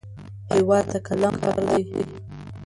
هېواد ته قلم پکار دی